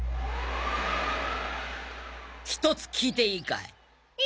一つ聞いていいかい？